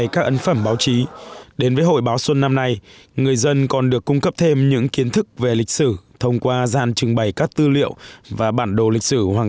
các bác sĩ đều có thể bảo đảm thai nhi được phát triển đầy đủ và an toàn